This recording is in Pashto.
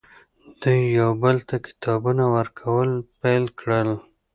دوی یو بل ته کتابونه ورکول پیل کړل